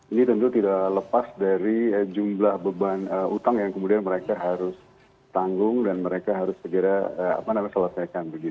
ini tentu tidak lepas dari jumlah beban utang yang kemudian mereka harus tanggung dan mereka harus segera selesaikan